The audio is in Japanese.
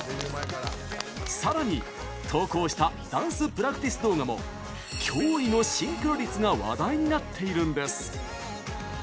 さらに、投稿したダンスプラクティス動画も驚異のシンクロ率が話題になっているんです。